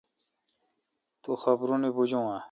تو خبرونی بجون آں؟